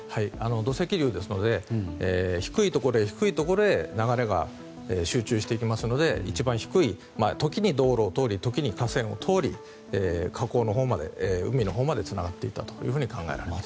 土石流ですので低いところへ流れが集中していきますので一番低い、時に道路を通り時に河川を通り河口のほう、海のほうまでつながっていったと考えられます。